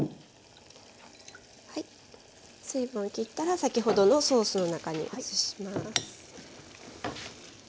水分をきったら先ほどのソースの中に移します。